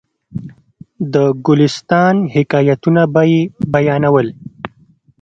د ګلستان حکایتونه به یې بیانول.